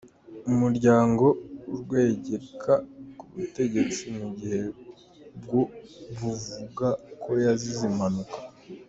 Umuryango urwegeka ku butegetsi mu gihe bwo buvuga ko yazize impanuka.